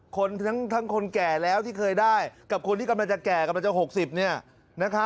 คนทั้งคนแก่แล้วที่เคยได้กับคนที่กำลังจะแก่กำลังจะ๖๐